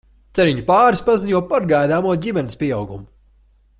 Ceriņu pāris paziņo par gaidāmo ģimenes pieaugumu.